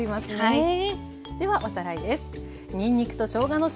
はい。